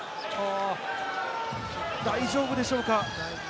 大丈夫でしょうか？